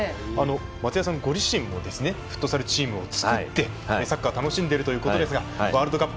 松也さんご自身もフットサルチームを作ってサッカーを楽しんでいるということですがワールドカップ